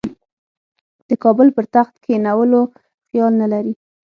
د کابل پر تخت کښېنولو خیال نه لري.